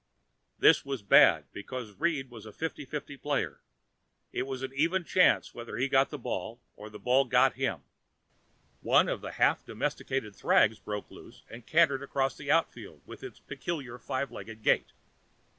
This was bad, because Reed was a fifty fifty player: It was an even chance whether he got the ball or the ball got him. One of the half domesticated thrags broke loose and cantered across the outfield with its peculiar five legged gait.